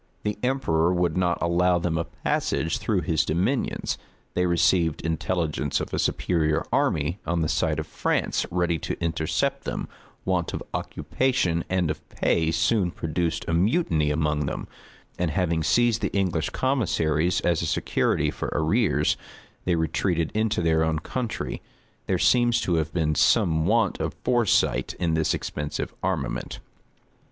The emperor would not allow them a passage through his dominions: they received intelligence of a superior army on the side of France ready to intercept them: want of occupation and of pay soon produced a mutiny among them; and having seized the English commissaries as a security for arrears, they retreated into their own country. There seems to have been some want of foresight in this expensive armament.